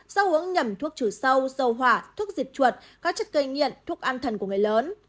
sau hướng nhầm thuốc trừ sâu sâu hỏa thuốc diệt chuột các chất gây nghiện thuốc an thần của người lớn